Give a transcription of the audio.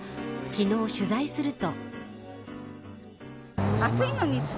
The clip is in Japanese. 昨日、取材すると。